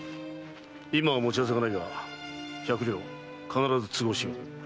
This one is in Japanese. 今は持ち合わせがないが百両必ず都合しよう。